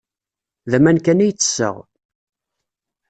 D aman kan ay ttesseɣ.